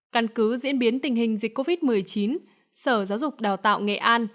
căn cứ diễn biến tình hình dịch covid một mươi chín sở giáo dục đào tạo nghệ an